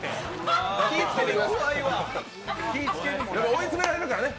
追い詰められるからね。